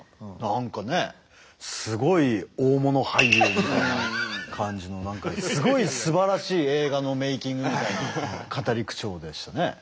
何かねすごい大物俳優みたいな感じのすごいすばらしい映画のメイキングの語り口調でしたね。